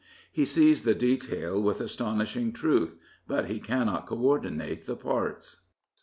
He sees the detail with astonishing truth, but he cannot co ordinate the parts.